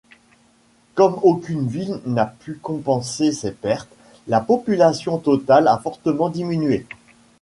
Comme aucune ville n'a pu compenser ces pertes, la population totale a fortement diminué.